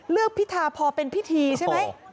พิธาพอเป็นพิธีใช่ไหม